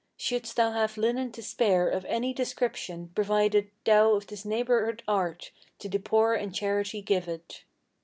Shouldst thou have linen to spare of any description, provided Thou of this neighborhood art, to the poor in charity give it.'